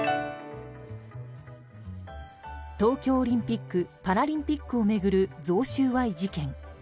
東京オリンピック・パラリンピックを巡る贈収賄事件。